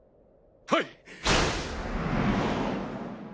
はい！